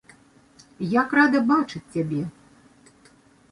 Як рада бачыць цябе!